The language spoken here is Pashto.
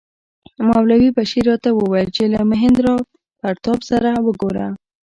مولوي بشیر راته وویل چې له مهیندراپراتاپ سره وګوره.